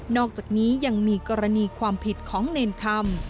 อกจากนี้ยังมีกรณีความผิดของเนรธรรม